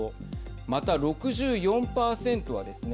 また、６４％はですね